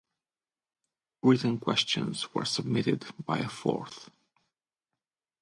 Written questions were submitted by a fourth.